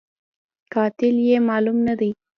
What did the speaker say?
قاتل یې معلوم نه دی